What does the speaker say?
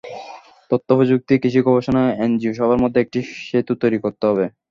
তথ্যপ্রযুক্তি, কৃষি গবেষণা, এনজিও সবার মধ্যে একটি সেতু তৈরি করতে হবে।